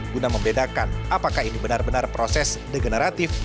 guna membedakan apakah ini benar benar proses degeneratif